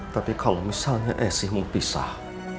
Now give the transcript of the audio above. tapi kalau misalnya esi mau pisah